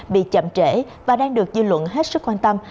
bị chậm trễ và đang được dư luận hết sức quan tâm